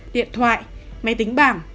điện thoại máy tính bảng